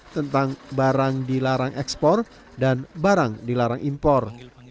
tentang barang dilarang ekspor dan barang dilarang impor